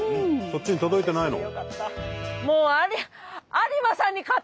そっちに届いてないの？